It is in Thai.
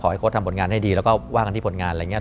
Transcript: ให้โค้ดทำผลงานให้ดีแล้วก็ว่ากันที่ผลงานอะไรอย่างนี้